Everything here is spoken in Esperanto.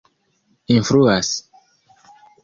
influas